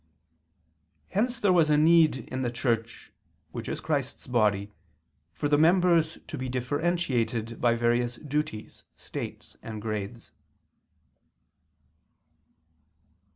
Hence there was need in the Church, which is Christ's body, for the members to be differentiated by various duties, states, and grades.